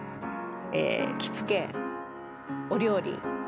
着付けお料理